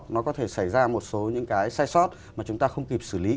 nó có thể xảy ra một số những cái sai sót mà chúng ta không kịp xử lý